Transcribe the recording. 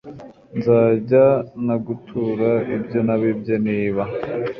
nzajya nagutura ibyo nabibye, niba